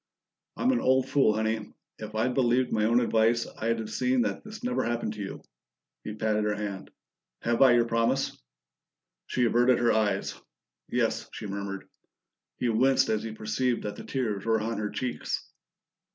"I'm an old fool, Honey. If I'd believed my own advice, I'd have seen that this never happened to you." He patted her hand. "Have I your promise?" She averted her eyes. "Yes," she murmured. He winced as he perceived that the tears were on her cheeks.